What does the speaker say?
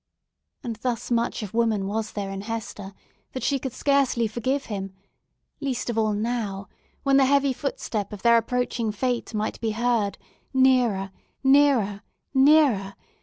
And thus much of woman was there in Hester, that she could scarcely forgive him—least of all now, when the heavy footstep of their approaching Fate might be heard, nearer, nearer, nearer!